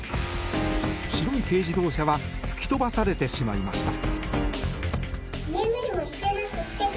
白い軽自動車は吹き飛ばされてしまいました。